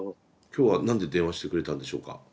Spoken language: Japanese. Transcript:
今日は何で電話してくれたんでしょうか。